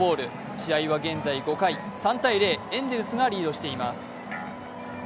試合は現在５回、３−０、エンゼルスがリードしています。